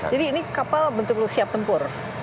jadi ini kapal bentuknya siap tempur